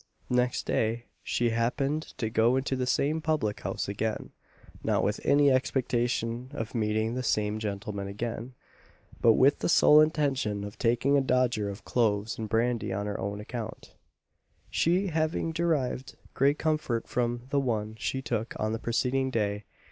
Next day, she happened to go into the same public house again not with any expectation of meeting the same gentleman again, but with the sole intention of taking a dodger of cloves and brandy on her own account she having derived great comfort from the one she took on the preceding day.